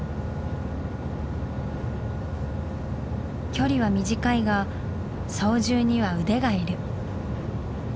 距離は短いが操縦には腕がいる。